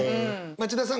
町田さん